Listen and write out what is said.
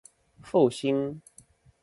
復興